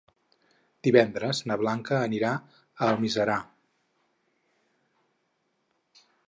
Divendres na Blanca anirà a Almiserà.